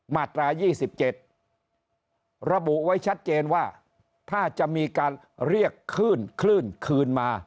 มาตรา๒๗ระบุไว้ชัดเจนว่าถ้าจะมีการเรียกคลื่นคลื่นคืนมา